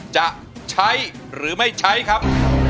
จะใช้หรือไม่ใช้ครับ